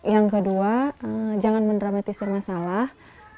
yang kedua jangan mendramatisir masalah